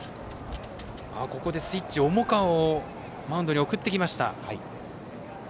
ここでスイッチ、重川をマウンドに送ってきました。